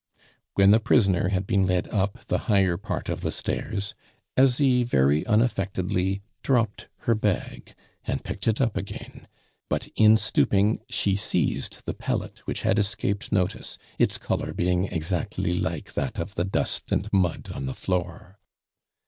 When the prisoner had been led up the higher part of the steps, Asie very unaffectedly dropped her bag and picked it up again; but in stooping she seized the pellet which had escaped notice, its color being exactly like that of the dust and mud on the floor.